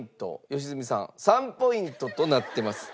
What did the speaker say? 良純さん３ポイントとなってます。